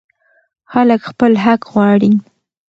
خلک خپل حق غواړي.